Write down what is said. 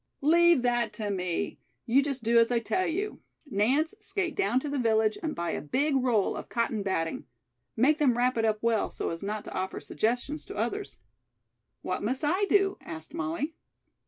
"Leave that to me. You just do as I tell you. Nance, skate down to the village and buy a big roll of cotton batting. Make them wrap it up well, so as not to offer suggestions to others." "What must I do?" asked Molly.